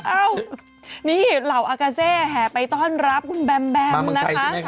เอ้านี่เหล่าอากาเซแห่ไปต้อนรับคุณแบมแบมนะคะ